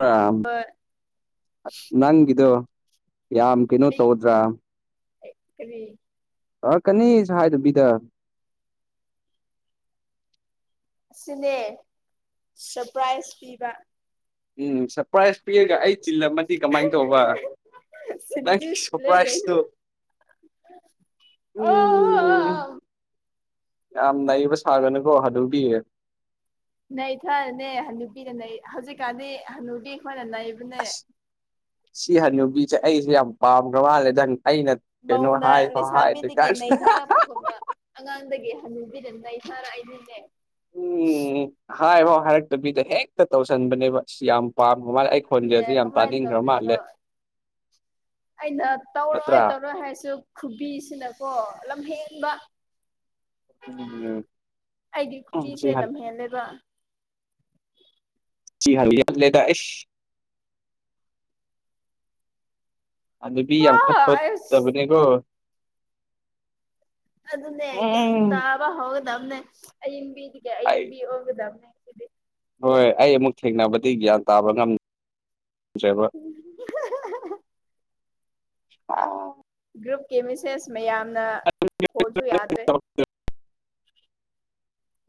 ꯔꯥꯝ ꯍꯣꯏ ꯑꯁ ꯅꯪꯒꯤꯗꯣ ꯌꯥꯝ ꯀꯩꯅꯣ ꯇꯧꯗ꯭ꯔꯥ ꯑꯦ ꯀꯔꯤ ꯑ ꯀꯥꯅꯤ ꯁꯨ ꯍꯥꯏꯗꯕꯤꯗ ꯑꯁꯤꯅꯦ ꯁꯔꯄ꯭ꯔꯥꯏꯖ ꯄꯤꯕ ꯎꯝ ꯁꯞꯄ꯭ꯔꯥꯏꯖ ꯄꯤꯔꯒ ꯑꯩ ꯆꯤꯜꯂꯝꯃꯗꯤ ꯀꯃꯥꯏ ꯇꯧꯕ ꯅꯪ ꯁꯤꯅꯗꯤ ꯂꯩ ꯀꯩꯅꯣ ꯁꯞꯄ꯭ꯔꯥꯏꯁꯇꯣ ꯎꯝ ꯑꯣ ꯌꯥꯝ ꯅꯩꯕ ꯁꯥꯒꯅꯨꯀꯣ ꯍꯅꯨꯕꯤ ꯅꯩꯊꯔꯅꯦ ꯍꯅꯨꯕꯤꯅ ꯅꯩ ꯍꯧꯖꯤꯛꯀꯥꯟꯗꯤ ꯍꯅꯨꯕꯤ ꯈꯣꯏꯅ ꯅꯩꯕꯅꯦ ꯑꯁ ꯁꯤ ꯍꯅꯨꯕꯤꯖꯦ ꯑꯩꯖꯨ ꯌꯥꯝ ꯄꯥꯝꯒ꯭ꯔ ꯃꯥꯜꯂꯦꯗꯟ ꯑꯩꯅ ꯀꯩꯅꯣ ꯃꯧꯅ ꯍꯥꯏꯐꯥꯎ ꯍꯥꯏꯗ꯭ꯔꯤ ꯂꯩꯁꯥꯕꯤꯗꯒꯤ ꯀꯥꯟꯁꯤꯗ ꯅꯩꯊꯥꯔꯛꯄꯒꯨꯝꯅ ꯑꯉꯥꯡꯗꯒꯤ ꯍꯟꯅꯨꯕꯤꯗ ꯅꯩꯊꯔꯛꯏꯅꯤꯅꯦ ꯍꯥꯏꯕꯥꯎ ꯍꯥꯏꯔꯛꯇꯕꯤꯗ ꯍꯦꯛꯇ ꯇꯧꯁꯟꯕꯅꯦꯕ ꯑꯁ ꯌꯥꯝ ꯄꯥꯝꯃ ꯃꯥꯜꯂꯦ ꯑꯩ ꯑꯗꯨꯅꯦ ꯈꯣꯟꯖꯦꯁꯦꯜ ꯌꯥꯝ ꯀꯃꯥꯏꯅ ꯇꯥꯅꯤꯡꯒ꯭ꯔ ꯃꯥꯜꯂꯦ ꯇꯧꯗꯣꯏꯅꯣ ꯑꯩꯅ ꯇꯧꯔꯣꯏ ꯅꯠꯇ꯭ꯔꯥ ꯇꯧꯔꯣꯏ ꯍꯥꯏꯁꯨ ꯈꯨꯕꯤꯁꯤꯅꯀꯣ ꯂꯝ ꯍꯦꯟꯕ ꯎꯝ ꯑꯩꯒꯤ ꯎꯝ ꯈꯨꯕꯤꯁꯦ ꯂꯝꯍꯦꯜꯂꯦꯕ [inaudible] ꯌꯥꯝꯂꯦꯗ ꯑꯦꯁ ꯑꯗꯨꯗꯤ ꯌꯥꯝ ꯈꯠꯄ ꯑꯁ ꯐꯠꯇꯕꯅꯦꯀꯣ ꯑꯗꯨꯅꯦ ꯒ꯭ꯌꯥꯟ ꯇꯥꯕ ꯍꯧꯒꯗꯕꯅꯦ ꯑꯌꯤꯡꯕꯤꯗꯨꯒ ꯑꯩ ꯑꯌꯤꯡꯕꯤ ꯑꯣꯏꯒꯗꯕꯅꯦ ꯁꯤꯗꯤ ꯍꯣꯏ ꯑꯩ ꯑꯃꯨꯛ ꯊꯦꯡꯅꯕꯗꯤ ꯒ꯭ꯌꯥꯟ ꯇꯥꯕ ꯉꯝꯖꯦꯕ ꯋꯥꯎ ꯒ꯭ꯔꯨꯞꯀꯤ ꯃꯤꯁꯦꯁ ꯃꯌꯥꯝꯅ ꯐꯣꯜꯁꯨ ꯌꯥꯗ꯭ꯔꯦ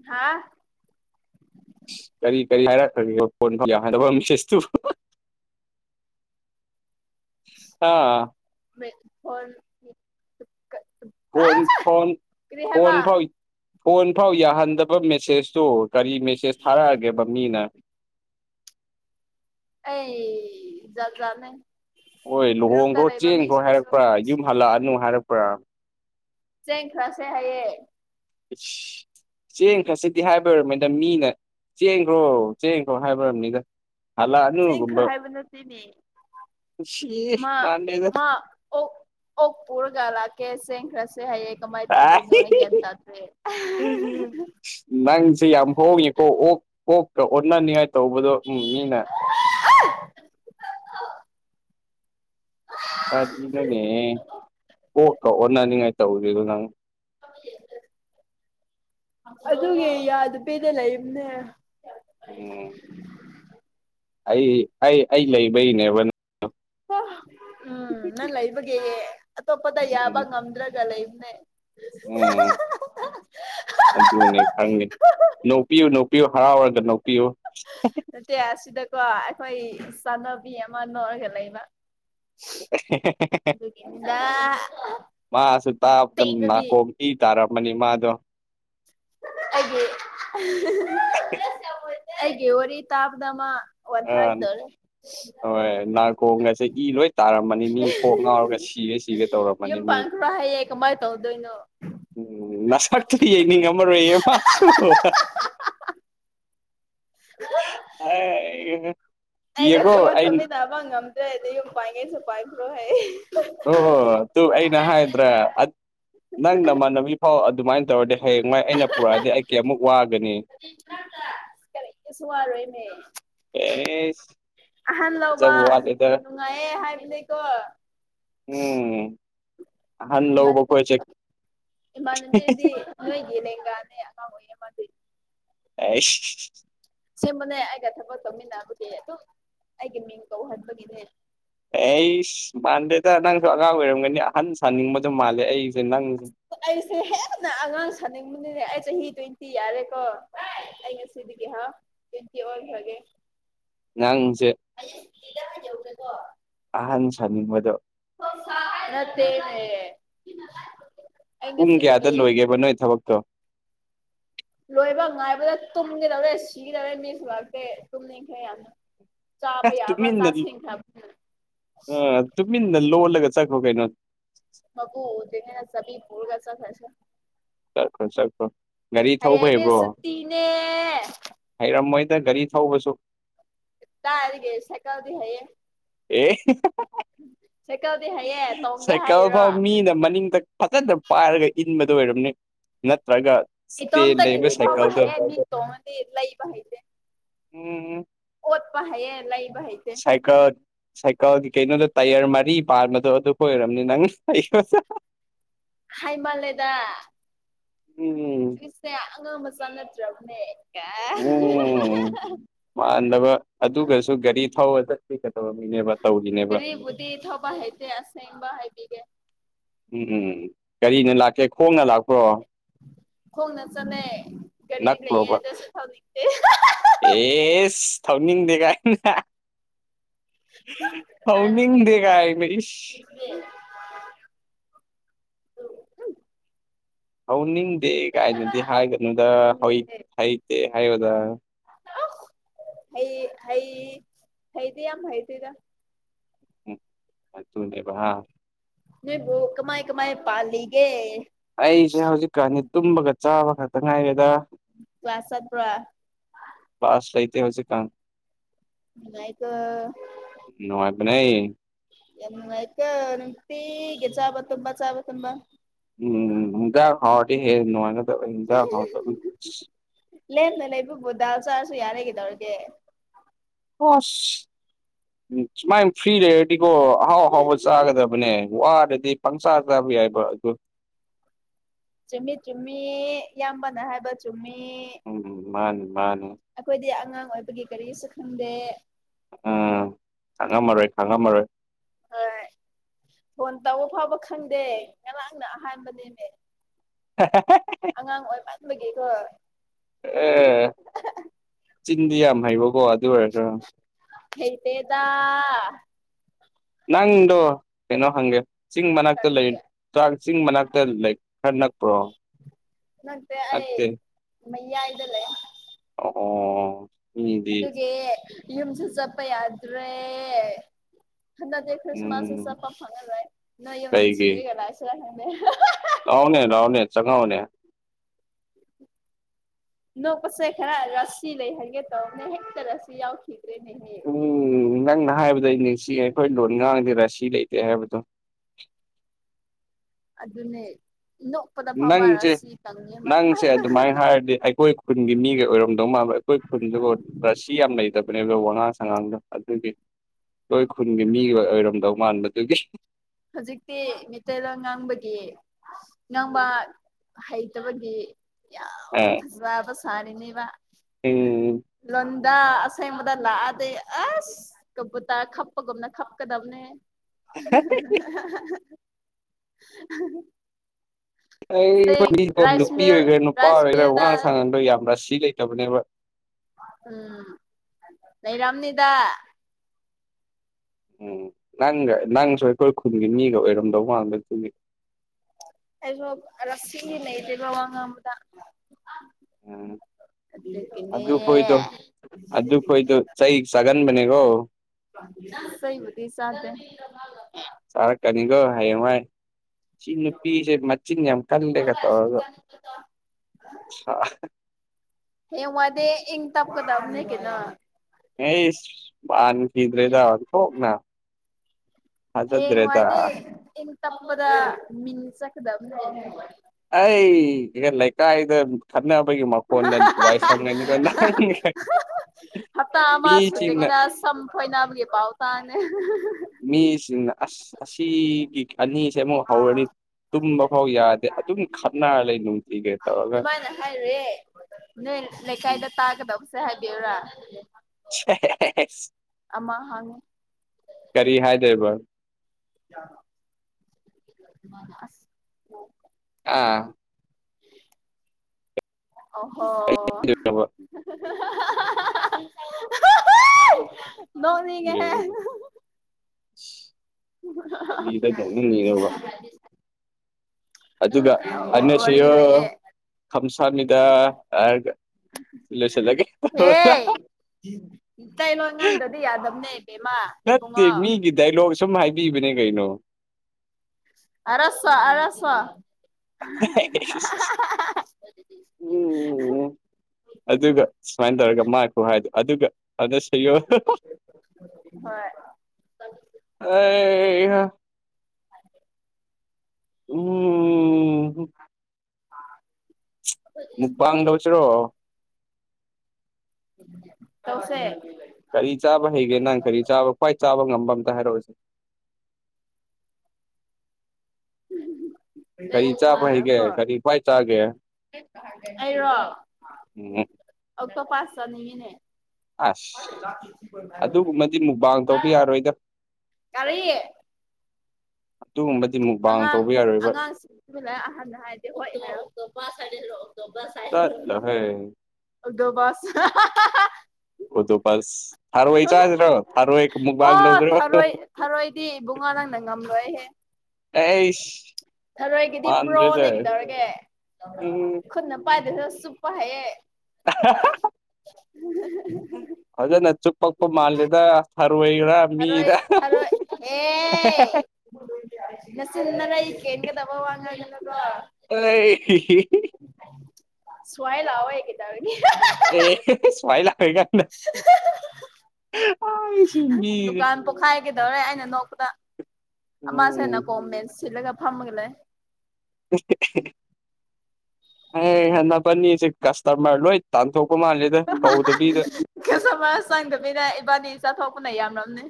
ꯍꯥ ꯀꯔꯤ ꯀꯔꯤ ꯍꯥꯏꯔꯛꯈꯔꯒꯦꯕ ꯐꯣꯟ ꯌꯥꯍꯟꯗꯕ ꯃꯦꯁꯦꯖ ꯇꯨꯕꯨ [inaudible] ꯑꯥ [inaudible] ꯐꯣꯟ ꯑꯁ ꯐꯣꯟ ꯀꯔꯤ ꯍꯥꯏꯕ ꯐꯣꯟ ꯐꯥꯎ ꯐꯣꯟ ꯐꯥꯎ ꯌꯥꯍꯟꯗꯕ ꯃꯦꯁꯦꯖꯇꯨ ꯀꯔꯤ ꯃꯦꯁꯦꯁ ꯊꯥꯔꯛꯑꯒꯦꯕ ꯃꯤꯅ ꯑꯩ ꯖꯥꯠ ꯖꯥꯠꯅꯦ ꯍꯣꯏ ꯒ꯭ꯔꯨꯞꯇ ꯂꯨꯍꯣꯡꯈ꯭ꯔꯣ ꯂꯩꯕ ꯆꯦꯟꯒ꯭ꯔꯣ ꯃꯤꯁꯤꯡꯁꯨ ꯍꯥꯏꯔꯛꯄ꯭ꯔꯥ ꯌꯨꯝ ꯍꯜꯂꯛꯑꯅꯨ ꯍꯥꯏꯔꯛꯄ꯭ꯔꯥ ꯆꯦꯟ ꯈ꯭ꯔꯥꯁꯦ ꯍꯥꯏꯌꯦ ꯏꯁ ꯆꯦꯡ ꯈ꯭ꯔꯁꯤꯗꯤ ꯍꯥꯏꯕ ꯑꯣꯏꯔꯝꯃꯣꯏꯗ ꯃꯤꯅ ꯆꯦꯡꯈ꯭ꯔꯣ ꯆꯦꯡꯈ꯭ꯔꯣ ꯍꯥꯏꯕ ꯑꯣꯏꯝꯅꯤꯗ ꯆꯩꯟ ꯈ꯭ꯔꯣ ꯍꯥꯏꯕ ꯅꯠꯇꯦꯅꯦ ꯁꯤ ꯃꯥ ꯃꯥꯟꯗꯦꯗ ꯃꯥ ꯑꯣꯛ ꯑꯣꯛ ꯄꯨꯔꯒꯂꯥꯛꯀꯦ ꯁꯦꯡꯈꯔꯁ ꯍꯥꯏꯌꯦ ꯀꯃꯥꯏ ꯇꯧꯗꯣꯏꯅꯣ ꯑꯩ ꯒꯌꯥꯟ ꯇꯥꯗꯔꯦ ꯅꯪꯁꯦ ꯌꯥꯝ ꯍꯣꯡꯉꯤꯀꯣ ꯑꯣꯛ ꯑꯣꯛꯀ ꯑꯣꯟꯅꯅꯤꯍꯥꯏ ꯇꯧꯕꯗꯣ ꯎꯝ ꯃꯤꯅ ꯀꯔꯤꯅꯣꯅꯦꯍꯦ ꯑꯣꯛꯀ ꯑꯣꯟꯅꯅꯤꯡꯉꯥꯏ ꯇꯧꯔꯤꯗꯣ ꯅꯪ ꯑꯗꯨꯒꯤ ꯌꯥꯗꯕꯤꯗ ꯂꯩꯃꯅꯦ ꯎꯝ ꯑꯩ ꯑꯩ ꯑꯩ ꯂꯩꯕꯩꯅꯦꯕ ꯎꯝ ꯅꯪ ꯂꯩꯕꯒꯤ ꯑꯇꯣꯞꯄꯗ ꯎꯝ ꯌꯥꯕ ꯉꯝꯗ꯭ꯔꯒ ꯂꯩꯕꯅꯦ ꯎꯝ ꯑꯗꯨꯅꯦ ꯈꯪꯉꯦ ꯅꯣꯛꯄꯤꯌꯨ ꯅꯣꯛꯄꯤꯌꯨ ꯍꯔꯥꯎꯔꯒ ꯅꯣꯛꯄꯤꯌꯨ ꯅꯠꯇꯦ ꯑꯁꯤꯗꯀꯣ ꯑꯩꯈꯣꯏ ꯆꯠꯅꯕꯤ ꯑꯃ ꯅꯣꯛꯑꯒ ꯂꯩꯕ [unintelligible] ꯑꯗꯨꯒꯤꯅꯤꯗ ꯃꯥꯁꯨ ꯇꯦꯛꯑꯗꯤ ꯇꯥꯕꯗꯅꯥꯀꯣꯡ ꯏ ꯇꯥꯔꯝꯃꯅꯤ ꯃꯥꯗꯣ [unintelligible] [unintelligible] ꯑꯩꯒꯤ ꯋꯥꯔꯤ ꯇꯥꯕꯗꯃꯥ ꯑꯥ ꯋꯥꯟꯊꯒꯤꯗꯣꯔꯦ ꯍꯣꯏ ꯅꯥꯔꯀꯣꯡꯒꯁꯦ ꯏ ꯂꯣꯏ ꯇꯥꯔꯝꯃꯅꯤ ꯃꯤ ꯀꯣꯛ ꯉꯥꯎꯔꯒ ꯁꯤꯒꯦ ꯁꯤꯒꯦ ꯇꯧꯔꯝꯃꯅꯤ ꯃꯤ ꯈ꯭ꯔ ꯍꯌꯦ ꯀꯃꯥꯏꯅ ꯇꯧꯗꯣꯏꯅꯣ ꯎꯝ ꯅꯁꯛꯇꯨ ꯌꯦꯡꯅꯤꯡꯉꯝꯃꯔꯣꯏꯌꯦ ꯃꯥꯁꯨ ꯍꯥꯏ ꯑꯩꯒ ꯊꯕꯛ ꯇꯧꯃꯤꯟꯅꯕ ꯉꯝꯗ꯭ꯔꯦ ꯅꯌꯨꯝ ꯄꯥꯟꯒꯦꯁꯨ ꯄꯥꯏꯈ꯭ꯔꯣ ꯍꯥꯏꯌꯦ ꯍꯣꯏ ꯍꯣꯏ ꯍꯣꯏ ꯇꯨ ꯑꯩꯅ ꯍꯥꯏꯗ꯭ꯔꯥ ꯅꯪ ꯅꯃꯥꯟꯅꯕꯤ ꯐꯥꯎ ꯑꯗꯨꯃꯥꯏꯅ ꯇꯧꯔꯗꯤ ꯍꯌꯦꯡꯋꯥꯏ ꯑꯩꯅ ꯄꯨꯔꯛꯑꯗꯤ ꯑꯩ ꯀꯌꯥꯃꯨꯛ ꯋꯥꯒꯅꯤ ꯀꯔꯤꯀꯁꯨ ꯋꯥꯔꯣꯏꯅꯦ ꯑꯦꯁ ꯑꯍꯟ ꯂꯧꯕ ꯐꯖꯕ ꯋꯥꯠꯂꯤꯗ ꯅꯨꯡꯉꯥꯏꯌꯦ ꯍꯥꯏꯕꯅꯦꯀꯣ ꯎꯝ ꯑꯍꯟ ꯂꯧꯕ ꯈꯣꯁꯦ ꯏꯃꯥꯟꯅꯕꯤꯁꯨ ꯏꯃꯥꯟꯅꯕꯤꯗꯤ [unintelligible] ꯅꯣꯏꯒꯤ ꯂꯦꯡꯒꯅꯦ ꯑꯉꯡ ꯑꯣꯏꯔꯤ ꯃꯗꯤ ꯑꯥꯏꯁ ꯁꯦꯡꯕꯅꯦ ꯑꯩꯒ ꯊꯕꯛ ꯇꯧꯃꯤꯟꯅꯕꯒꯤ ꯑꯗꯨ ꯑꯩꯒꯤ ꯃꯤꯡ ꯀꯧꯍꯟꯕꯒꯤꯅꯦ ꯑꯩꯏꯁ ꯃꯥꯟꯗꯦꯗ ꯅꯪꯁꯨ ꯑꯉꯥꯡ ꯑꯣꯏꯔꯝꯒꯅꯤ ꯑꯍꯟ ꯁꯥꯅꯤꯡꯕꯗꯣ ꯃꯥꯜꯂꯦ ꯑꯩꯖꯦ ꯅꯪ ꯑꯩꯁꯦ ꯍꯦꯟꯅ ꯑꯉꯥꯡ ꯁꯥꯅꯤꯡꯕꯅꯤꯅꯦ ꯑꯩ ꯆꯍꯤ ꯇ꯭ꯋꯦꯟꯇꯤ ꯌꯥꯔꯦꯀꯣ ꯑꯩ ꯉꯁꯤꯗꯒꯤ ꯍꯥ ꯇꯣꯏꯟꯇꯤ ꯑꯣꯟꯈ꯭ꯔꯒꯦ ꯅꯪꯖꯦ ꯍꯩꯏ ꯀꯤꯀ ꯌꯧꯈ꯭ꯔꯦꯀꯣ ꯑꯍꯥꯟꯕ ꯁꯥꯅꯤꯡꯕꯗꯣ ꯅꯠꯇꯦꯅꯦ ꯑꯩ ꯄꯨꯡ ꯀꯌꯥꯗ ꯉꯁꯤꯗꯒꯤ ꯂꯣꯏꯒꯦꯕ ꯅꯣꯏ ꯊꯕꯛꯇꯣ ꯂꯣꯏꯕ ꯉꯥꯏꯕꯗ ꯇꯨꯝꯒꯦꯗꯧꯔꯦ ꯁꯤꯒꯗꯧꯔꯦ ꯃꯤꯁꯨ ꯂꯛꯇꯦ ꯇꯨꯝꯅꯤꯡꯈ꯭ꯔꯦ ꯌꯥꯝꯅ ꯑꯁ ꯆꯥꯕꯌꯥꯕ ꯇꯨꯃꯤꯟꯅ ꯆꯁꯤꯟ ꯈ꯭ꯔꯝꯅꯤꯅ ꯑ ꯇꯨꯃꯤꯟꯅ ꯂꯣꯜꯂꯒ ꯆꯠꯈ꯭ꯔꯣ ꯀꯩꯅꯣ ꯃꯄꯨ ꯑꯨꯗꯦꯅꯦ ꯅ ꯆꯕꯤ ꯄꯨꯔꯒ ꯆꯠꯈꯔꯁꯨ ꯆꯠꯈ꯭ꯔꯣ ꯆꯠꯈ꯭ꯔꯣ ꯒꯥꯔꯤ ꯊꯧꯕ ꯍꯌꯦꯡꯗꯤ ꯁꯨꯇꯤꯅꯦ ꯍꯩꯏꯔꯝꯃꯣꯏꯗ ꯒꯔꯤ ꯊꯧꯕꯁꯨ ꯇꯔꯤꯒꯦ ꯁꯥꯏꯀꯜꯗꯤ ꯍꯩꯏꯌꯦ ꯑꯦ ꯁꯥꯏꯀꯜꯗꯤ ꯍꯩꯌꯦ ꯇꯣꯡꯒꯦ ꯁꯥꯏꯀꯜ ꯍꯥꯏꯔꯤꯔꯣ ꯐꯥꯎ ꯃꯤꯅ ꯃꯅꯤꯡꯇ ꯐꯖꯅ ꯄꯥꯏꯔꯒ ꯏꯟꯕꯗꯣ ꯑꯣꯏꯔꯝꯅꯤ ꯅꯠꯇ꯭ꯔꯒ ꯏꯁꯇꯦꯟ ꯂꯩꯕ ꯏꯇꯣꯝꯇꯒꯤꯗꯤ ꯊꯧꯕ ꯁꯥꯏꯀꯜꯗꯣ ꯍꯩꯌꯦ ꯃꯤꯇꯣꯡꯉꯗꯤ ꯂꯩꯕ ꯍꯩꯏꯇꯦ ꯎꯝ ꯑꯣꯠꯄ ꯍꯩꯏꯌꯦ ꯂꯩꯕ ꯍꯩꯇꯦ ꯑꯥꯏꯀꯠ ꯁꯥꯏꯀꯜꯒꯤ ꯀꯩꯅꯣꯗ ꯇꯥꯏꯌꯔ ꯃꯔꯤ ꯄꯥꯟꯕꯗꯣ ꯑꯗꯨꯄꯣ‌ꯏ ꯑꯣꯏꯔꯝꯅꯤ ꯅꯪ ꯑꯩ ꯀꯥꯆ ꯍꯥꯏꯃꯜꯂꯦꯗ ꯎꯝꯝ ꯁꯦ ꯑꯉꯥꯡ ꯃꯆꯥ ꯅꯠꯇ꯭ꯔꯕꯅꯦ ꯀ ꯎꯝ ꯃꯥꯟꯗꯕ ꯑꯗꯨꯒꯁꯨ ꯒꯥꯔꯤ ꯊꯧꯋ ꯆꯠ ꯄꯤꯀ ꯇꯧꯔꯝꯃꯤꯅꯦꯕ ꯃ ꯇꯧꯔꯤꯅꯦꯕ ꯕꯨꯗꯤ ꯊꯣꯞꯄ ꯍꯩꯏ ꯇꯦ ꯑꯁꯦꯡꯕ ꯍꯥꯏꯕꯤꯒꯦ ꯎꯝ ꯎꯝ ꯀꯔꯤꯅ ꯂꯥꯛꯀꯦ ꯈꯣꯡꯅ ꯂꯥꯛꯄ꯭ꯔꯣ ꯈꯣꯡꯅ ꯆꯠꯂꯦ ꯒꯥꯔꯤ ꯂꯩꯌꯦ ꯅꯛꯄ꯭ꯔꯣꯕ ꯑꯗꯨꯁꯨ ꯊꯧꯅꯤꯡꯇꯦ ꯑꯦꯁ ꯊꯧꯅꯤꯡꯗꯦ ꯀꯥꯏꯅ ꯍꯥꯟꯅ ꯊꯧꯅꯤꯡꯗꯦ ꯒꯥꯏꯅ ꯏꯁ ꯍꯧꯅꯤꯡꯗꯦ ꯀꯥꯏꯅꯗꯤ ꯍꯥꯏꯒꯅꯨꯗ ꯍꯣꯏ ꯍꯧꯅꯤꯡꯗꯦ ꯍꯩꯇꯦ ꯍꯥꯏꯕꯗ ꯍꯩ ꯍ ꯩ ꯍꯩꯗꯤ ꯌꯥꯝ ꯍꯩꯇꯦꯗ ꯑꯇꯨꯅꯦꯕ ꯍꯥ ꯅꯣꯏꯕꯨ ꯀꯃꯥꯏ ꯀꯃꯥꯏ ꯄꯥꯂꯤꯒꯦ ꯑꯩꯁꯦ ꯍꯧꯖꯤꯛꯀꯥꯟꯗꯤ ꯇꯨꯝꯕꯒ ꯆꯥꯕꯒ ꯈꯛꯇ ꯉꯥꯏꯔꯦꯗ ꯀ꯭ꯂꯥꯁ ꯆꯠꯄꯔ ꯄꯥꯁ ꯂꯩꯇꯦ ꯍꯧꯖꯤꯛ ꯀꯥꯟ ꯅꯨꯡꯉꯥꯏꯀꯣ ꯅꯨꯡꯉꯥꯏ ꯕꯅꯦ ꯌꯥꯝ ꯅꯨꯡꯉꯥꯏꯀ‌ꯣ ꯅꯨꯡꯇꯤꯒꯤ ꯆꯥꯕ ꯇꯨꯝꯕ ꯆꯥꯕ ꯇꯨꯝꯕ ꯎꯝ ꯎꯝ ꯎꯝ ꯏꯟꯖꯥꯛ ꯍꯥꯎꯔꯗꯤ ꯍꯦꯛ ꯅꯨꯡꯉꯥꯏꯅꯗ ꯍꯤꯟꯖꯥꯛ ꯍꯥꯎꯇ ꯂ‌ꯦꯝꯅ ꯂꯩꯕꯕꯨ ꯗꯥꯥꯜ ꯆꯥꯔꯁꯨ ꯌꯥꯔꯦ ꯀꯩꯗꯧꯔꯒꯦ ꯑꯣꯁ ꯎꯝ ꯁꯨꯃꯥꯏꯅ ꯐ꯭ꯔꯤ ꯂꯩꯔꯗꯤꯀꯣ ꯑꯍꯥꯎ ꯑꯍꯥꯎꯕ ꯆꯥꯒꯗꯕꯅꯦ ꯋꯥꯔꯗꯤ ꯄꯪꯆꯥꯥ ꯆꯥꯕ ꯌꯥꯏꯕ ꯑꯗꯨ ꯆꯨꯝꯃꯤ ꯆꯨꯝꯃꯤ ꯏꯌꯥꯝꯕꯅ ꯍꯥꯏꯕ ꯆꯨꯝꯃꯤ ꯎꯝ ꯎꯝ ꯃꯥꯟꯅꯤ ꯃꯥꯟꯅꯤ ꯑꯈꯣꯏꯗꯤ ꯑꯉꯥꯡ ꯑꯣꯏꯕꯒꯤ ꯀꯔꯤꯁꯨ ꯈꯪꯗꯦ ꯎꯝ ꯈꯪꯉꯝꯃꯔꯣꯏ ꯈꯪꯉꯝꯃꯔꯣꯏ ꯍꯣꯏ ꯍ‌ꯣꯏ ꯐꯣꯟ ꯇꯧꯕ ꯐꯥꯎꯕ ꯈꯪꯗꯦ ꯉꯔꯥꯡꯅ ꯑꯍꯥꯟꯕꯅꯦꯃ‌ꯦ [unintelligible] ꯑꯉꯥꯡ ꯑꯣꯏ ꯃꯟꯕꯒꯤꯀꯣ ꯑꯦ ꯆꯤꯡꯗꯤ ꯌꯥꯝ ꯍꯩꯕꯀꯣ ꯑꯗꯨ ꯑꯣꯏꯔꯒ ꯍꯩꯇ‌ꯦꯗ ꯅꯪꯗꯣ ꯀꯩꯅꯣ ꯍꯪꯒ‌ꯦ ꯆꯤꯡ ꯃꯅꯥꯛ ꯇ ꯀꯔꯤ ꯂꯩ ꯇ꯭ꯔꯥꯛ ꯆꯤꯡ ꯃꯅꯥꯛꯇ ꯂꯩ ꯈꯔ ꯅꯛꯄ꯭ꯔꯣ ꯅꯛꯇꯦ ꯑꯩ ꯃꯩꯌꯥꯏꯗ ꯂꯩ ꯑꯣ ꯑꯣ ꯃꯤꯗꯤ ꯑꯗꯨꯒꯤ ꯌꯨꯝꯁꯨ ꯆꯠꯄ ꯌꯥꯗ꯭ꯔꯦ ꯍꯟꯗꯛꯇꯤ ꯈ꯭ꯔꯤꯁꯃꯥꯁꯁꯨ ꯎꯝ ꯆꯠꯄ ꯐꯪꯉꯔ‌ꯣꯏ ꯅꯣꯏ ꯊꯤꯔꯒ ꯂꯥꯛꯁꯤꯔꯥ ꯈꯪꯗ‌ꯦ ꯂꯥꯎꯅꯦ ꯂꯥꯎꯅꯦ ꯆꯪꯉꯛꯎꯅꯦ [inaudible] ꯅ‌ꯣꯛꯄꯁꯦ ꯈꯔ ꯔꯥꯁꯤ ꯂꯩꯍꯟꯒꯦ ꯇꯧꯕꯅꯦ ꯍꯦꯛꯇ ꯔꯥꯁꯤ ꯌꯥꯎꯈꯤꯗ꯭ꯔꯦꯅꯦꯍꯦ ꯎꯝ ꯅꯪꯅ ꯍꯥꯏꯕꯗ‌ꯣ ꯑꯩ ꯅꯤꯡꯁꯤꯡꯉꯦ ꯈꯣꯏ ꯂꯣꯟ ꯉꯥꯡꯉꯗꯤ ꯔꯥꯁꯤ ꯂꯩꯇꯦ ꯍꯥꯏꯕꯗꯣ ꯑꯗꯨꯅꯦ ꯅ‌ꯣꯛ ꯅꯪꯖ‌ꯦ ꯅꯪꯁꯦ ꯑꯗꯨꯃꯥꯏ ꯍꯥꯏꯔꯗꯤ ꯑꯩꯈꯣꯏ ꯈꯨꯟꯒꯤ ꯃꯤꯒ ꯑꯣꯏꯔꯝꯗꯧ ꯃꯥꯟꯕ ꯑꯩꯈꯣꯏ ꯈꯨꯟꯁꯨꯀ‌ꯣ ꯔꯥꯁꯤ ꯌꯥꯝ ꯂꯩꯇꯕꯅꯦꯕ ꯋꯥꯉꯥꯡ ꯁꯉꯥꯡꯗꯣ ꯑꯗꯨꯒꯤ ꯂꯣꯏ ꯈꯨꯟꯒꯤ ꯃꯤ ꯑꯣꯏꯔꯝꯗꯧ ꯃꯥꯟꯕ ꯗꯨꯒꯤ ꯍꯧꯖꯤꯛꯇꯤ ꯃꯤꯇꯩꯩꯂ‌ꯣꯟ ꯉꯥꯡꯕꯒꯤ ꯉꯥꯡꯕ ꯍꯩꯇꯕꯒꯤ ꯌꯥꯝ ꯑ ꯐꯖꯕ ꯁꯥꯔꯤꯅꯦꯕ ꯎꯝ ꯂꯣꯟꯗꯥ ꯑꯁ‌ꯦꯡꯕꯗ ꯂꯥꯛꯑꯗꯤ ꯑꯁ ꯀꯕꯨꯇ ꯈꯞꯄꯒꯨꯝꯅ ꯈꯞꯀꯗꯕꯅꯦ [unintelligible] ꯑꯩ ꯆꯦꯡ ꯈꯨꯟꯗꯤꯀ‌ꯣ ꯔꯥꯏꯁ ꯅꯨꯄꯤ ꯃꯤꯜ ꯑꯣꯏꯒ‌ꯦꯔꯥ ꯅꯨꯄꯥ ꯔꯥꯏꯁ ꯑꯣꯏꯒ‌ꯦꯔꯥ ꯃꯤꯜꯗ ꯋꯥꯥꯉꯥꯡ ꯁꯥꯥꯡꯉꯥꯡꯗꯣ ꯌꯥꯝ ꯔꯥꯁꯤ ꯂꯩꯇꯕꯅꯦꯕ ꯎꯝ ꯂꯩꯔꯝꯅꯤꯗ ꯎꯝ ꯅꯪꯒ ꯅꯪꯁꯨ ꯑꯩꯈꯣꯏ ꯈꯨꯟꯒꯤ ꯃꯤꯒ ꯑꯣꯏꯔꯝꯗꯧ ꯃꯥꯟꯕ ꯗꯨꯒꯤ ꯑꯩꯁꯨ ꯔꯥꯁꯤ ꯂꯩꯩꯇ‌ꯦꯕ ꯋꯥ ꯉꯥꯡꯕꯗ ꯎꯝ ꯏꯅꯦ ꯑꯗꯨꯈꯣꯏꯗꯣ ꯑꯗꯨꯈꯣꯏꯗꯣ ꯆꯩ ꯆꯥꯒꯟꯕꯅꯦꯀ‌ꯣ ꯆꯩꯕꯨꯗꯤ ꯆꯥꯗ‌ꯦ ꯆꯥꯔꯛꯀꯅꯤꯀ‌ꯣ ꯍꯌꯦꯡꯋꯥꯏ ꯁꯤ ꯅꯨꯄꯤꯁꯦ ꯃꯆꯤꯟ ꯌꯥꯝ ꯀꯟꯕꯩꯒ ꯇꯧꯔꯒ ꯁꯥ ꯍꯌ‌ꯦꯡꯋꯥꯏꯗꯤ ꯏꯪ ꯇꯞꯀꯗꯝꯅꯦ ꯀꯩꯅ‌ꯣ ꯍꯩꯁ ꯃꯥꯟꯈꯤꯗ꯭ꯔꯦꯗ ꯑꯣꯟꯊ‌ꯣꯛꯅ ꯍꯌꯦꯡ ꯋꯥꯏꯗꯤ ꯏꯪ ꯇꯞꯄꯗ ꯃꯤꯡ ꯆꯠꯀꯗꯕ ꯂꯩ ꯑꯩꯒ ꯂꯩꯗꯥꯏꯗ ꯈꯠꯅꯕꯒꯤ ꯃꯈꯣꯟꯗ ꯋꯥꯏꯁꯪꯉꯅꯤꯗ ꯅꯪ ꯇꯥ ꯑꯃ ꯃꯤꯁꯤꯡꯅ ꯁꯨꯗ꯭ꯔꯤꯒꯤꯅ ꯁꯝ ꯐꯣꯏꯅꯕꯒꯤ ꯄꯥꯎ ꯇꯥꯅꯦ ꯃꯤꯁꯤꯡꯅ ꯑꯁ ꯑꯁꯤꯒꯤ ꯑꯅꯤꯁꯦ ꯑꯃꯨꯛ ꯍꯧꯔꯅꯤ ꯇꯨꯝꯕ ꯐꯥꯎ ꯌꯥꯗꯦ ꯑꯗꯨꯝ ꯈꯠꯅꯔ ꯂꯩ ꯅꯨꯡꯇꯤꯒꯩ ꯇꯧꯔꯒ ꯅ ꯍꯥꯏꯔꯣꯏꯔꯦ ꯅꯣꯏ ꯂꯩꯀꯥꯏꯗ ꯇꯥꯒꯗꯕꯁꯦ ꯍꯥꯏꯕꯤꯎꯔꯥ [unintelligible] ꯑꯃ ꯍꯥꯡꯉꯦ ꯀꯔꯤ ꯍꯥꯏꯗꯣꯏꯕ ꯑꯁ ꯑꯥ ꯑꯧ ꯍꯣ ꯅꯣꯛꯅꯤꯡꯉꯦꯍꯦ ꯌꯦꯡꯉꯣ ꯑꯗꯨꯝ ꯁꯤ ꯑꯅꯤꯗꯪ ꯊꯧꯅꯤꯡꯉꯤꯑꯕ ꯑꯗꯨꯒ ꯋꯥꯔꯤ ꯑꯅꯁꯦꯌꯣ ꯂꯩꯌꯦ ꯈꯝꯁꯥꯃꯤꯗ ꯑꯥꯏꯔꯒ ꯁꯤꯂ ꯆꯠꯂꯒꯦ ꯇꯩꯔꯣꯟ ꯑꯉꯥꯡꯗꯗꯤ ꯌꯥꯗꯕꯅꯦ ꯕꯦꯝꯃꯥ ꯅꯠꯇꯦ ꯃꯤꯒꯤ ꯗꯥꯏꯂꯣꯛ ꯁꯨꯝ ꯍꯥꯏꯕꯤꯕꯅꯦ ꯀꯩꯅꯣ ꯑꯔ ꯁꯣ ꯑꯔ ꯁꯣ ꯎꯝ [unintelligible] ꯑꯗꯨꯒ ꯁꯨꯃꯥꯏ ꯇꯧꯔꯒ ꯃꯥꯥꯏ‌ ꯈꯨꯍꯥꯏꯗꯣ ꯑꯗꯨꯒ ꯑꯗ ꯁꯤꯌꯣ ꯍꯣꯏ ꯎꯝ ꯎꯝ ꯑ ꯃꯨꯛꯕꯥꯥꯡ ꯂꯧꯁꯤꯔꯣ ꯇꯧꯁꯦ ꯀꯔꯤ ꯆꯥꯕ ꯍꯩꯒꯦ ꯅꯪ ꯀꯔꯤ ꯆꯥꯕ ꯈ꯭ꯋꯥꯏ ꯆꯥꯕ ꯉꯝꯕ ꯑꯝꯇ ꯍꯥꯏꯔꯛꯑꯣꯁꯦ [unintelligible] ꯀꯔꯤ ꯆꯥꯕ ꯍꯩꯒꯦ ꯉꯥꯏꯎꯀꯣ ꯀꯔꯤ ꯈ꯭ꯋꯥꯏ ꯆꯥꯒꯦ ꯑꯩꯔꯣ ꯎꯝ ꯑꯣꯛꯇꯣꯄꯥꯁ ꯆꯅꯤꯉꯦꯅꯦ ꯑꯁ ꯑꯗꯨꯒꯨꯝꯕꯗꯤ ꯃꯨꯛꯕꯥꯡ ꯇꯧꯕ ꯌꯥꯔꯣꯏꯗ ꯀꯔꯤ ꯑꯗꯨꯒꯨꯕꯗꯤ ꯃꯨꯛ ꯑꯉꯥꯡ ꯑꯉꯥꯡꯁꯤꯡ ꯇꯨꯃꯤꯟꯂꯩꯑꯣ ꯑꯍꯥꯟꯗ ꯍꯥꯏꯔꯗꯤ ꯍꯣꯏ ꯏ ꯑꯣꯛꯇꯣꯄꯁ ꯍꯥꯏꯗꯤ ꯂꯣꯛꯑꯑꯣ ꯑꯣꯛꯇꯣ ꯇꯠꯂ ꯍꯦ ꯑꯣꯛꯗꯣꯕꯁ ꯑꯣꯇꯣꯄꯁ ꯊꯔꯣꯏ ꯆꯥꯖꯤꯔꯣ ꯊꯔꯣꯏ ꯃꯨꯛꯕꯥꯡ ꯇꯧꯖꯤꯔꯣ ꯊꯥꯔꯣꯏꯗꯤ ꯏꯕꯨꯡꯉꯣ ꯅꯪꯅ ꯉꯝꯂꯣꯏꯍꯦ ꯑꯩꯁ ꯊꯔꯣꯏꯒꯤꯗꯤ ꯃꯥꯟꯗ꯭ꯔꯦꯗ ꯄ꯭ꯔꯣꯅꯦ ꯀꯩꯗꯧꯔꯒꯦ ꯎꯝ ꯈꯨꯠꯅ ꯄꯥꯏꯗꯁꯨ ꯆꯨꯄ ꯍꯩꯌꯦ ꯐꯖꯅ ꯆꯨꯞ ꯄꯛꯄ ꯃꯥꯜꯂꯤꯗ ꯊꯥꯔꯣꯏꯔ ꯍꯔꯣꯏ ꯍꯔꯣꯏ ꯑꯦ ꯅꯆꯤꯟ ꯅꯔꯩ ꯀꯦꯟꯒꯗꯕ ꯋꯥ ꯉꯥꯡꯒꯅꯨꯀꯣ ꯑꯩ ꯁ꯭ꯋꯥꯏ ꯂꯥꯎꯋ‌ꯦ ꯀꯦꯗꯧꯔꯤ [unintelligible] ꯑꯦ ꯁ꯭ꯋꯥꯏ ꯂꯥꯎꯋ‌ꯦꯒꯥꯏꯅ ꯃꯤꯁꯦ ꯗꯨꯀꯥꯟ ꯄꯣꯛꯈꯥꯏꯒ‌ꯦꯗꯧꯔꯦ ꯑꯩꯅ ꯅꯣꯛꯄꯗ ꯑꯃꯁꯦꯅ ꯎꯝ ꯀꯣꯃꯦꯟ ꯁꯤꯜꯂꯒ ꯐꯝꯃꯒ ꯂꯩ ꯑꯦ ꯍꯟꯅ ꯄꯅꯤꯁꯦ ꯀꯥꯁꯇꯝꯃꯔ ꯂꯣꯏ ꯇꯥꯟꯊꯣꯛꯄ ꯃꯥꯜꯂꯦꯗ ꯀꯧꯗꯕꯤꯗ ꯀꯁꯇꯃꯔ ꯆꯪꯗꯕꯤꯗ ꯏꯕꯥꯅꯤ ꯆꯥꯊꯣꯛꯄꯅ ꯌꯥꯝꯔꯝꯅꯤ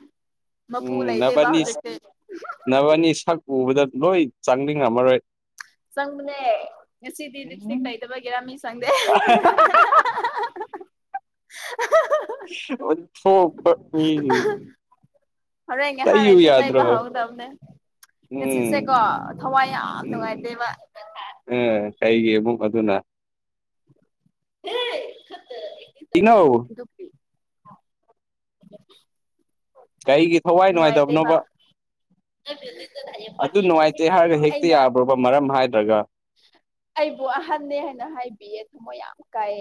ꯃꯥꯄꯨ ꯂꯩꯇ‌ꯦꯕ ꯍꯧꯖꯤꯛꯇꯤ ꯅꯕꯅꯤ ꯁꯛ ꯎꯕꯗ ꯂꯣꯏ ꯆꯥꯡꯅꯤꯡꯉꯝꯃꯔꯣꯏ ꯆꯪꯕꯅꯦ ꯉꯁꯤꯗꯤ ꯂꯤꯞꯁꯇꯤꯛ ꯇꯥꯏꯗꯕꯒꯤꯔꯥ ꯃꯤ ꯆꯪꯗꯦ ꯑ‌ꯣꯟꯊ‌ꯣꯛꯄ ꯃꯤꯁꯤꯡꯁ ꯍꯣꯔꯦꯟ ꯉꯍꯥꯛ ꯂꯩꯔꯗꯤ ꯇꯩꯕ ꯌꯥꯗ꯭ꯔꯣ ꯍꯧꯔꯗꯕꯅꯦ ꯎꯝ ꯉꯥꯁꯤꯁꯦꯀꯣ ꯊꯋꯥꯏ ꯌꯥꯝ ꯎꯝ ꯅꯨꯡꯉꯥꯏ ꯇꯩꯕ [unintelligible] ꯑ ꯀꯩꯒꯤꯃꯨꯛ ꯑꯗꯨꯅ [unintelligible] ꯈꯠꯇ ꯀꯤꯅꯣ ꯅꯨꯄꯤ [unintelligible] ꯀꯩꯒꯤ ꯊꯋꯥꯏ ꯅꯨꯡꯉꯥꯏꯇꯦꯕ ꯅꯨꯡꯉꯥꯏꯇꯕꯅꯣꯕ [unintelligible] ꯑꯗꯨ ꯄꯥꯔꯇꯤ ꯇꯧꯁ‌ꯦ ꯅꯨꯡꯉꯥꯏꯇꯦ ꯍꯥꯏꯔꯒ ꯀꯩꯅ‌ꯣ ꯍꯦꯛꯇ ꯑꯩꯅ [unintelligible] ꯃꯔꯝ ꯍꯥꯏꯗ꯭ꯔꯒ ꯑꯩꯕꯨ ꯑꯍꯟꯅꯦ ꯍꯥꯏꯅ ꯍꯥꯏꯕꯤꯌꯦ ꯊꯝꯃꯣꯏ ꯌꯥꯝ ꯀꯥꯏ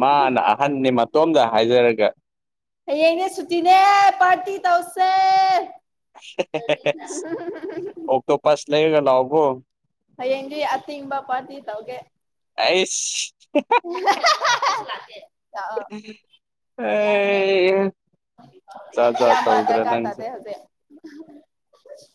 ꯃꯥꯅ ꯑꯍꯟꯅꯤ ꯃꯇꯣꯝꯗ ꯍꯥꯏꯖꯔꯒ ꯍꯌꯦꯡꯅꯦ ꯁꯨꯇꯤꯅꯦ ꯄꯥꯔꯇꯤ ꯇꯧꯁꯦ ꯑꯣꯛꯇꯣꯄꯁ ꯂꯩꯔꯒ ꯂꯥꯛꯎꯀ‌ꯣ ꯍꯌꯦꯡꯗꯤ ꯑꯇꯤꯡꯕ ꯄꯥꯔꯇꯤ ꯇꯧꯒ‌ꯦ ꯑꯩꯁ [unintelligible] ꯂꯥꯛꯀ‌ꯦ ꯑꯩꯍ ꯖꯥꯠ ꯖꯥꯠ ꯏꯌꯥꯝꯕ ꯇꯧꯗ‍꯭ꯔ ꯗꯔꯀꯥꯔ ꯇꯥꯗꯦ ꯅꯪꯁ‌ꯩ [unintelligible]